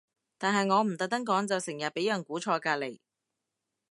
但係我唔特登講就成日會俾人估錯隔離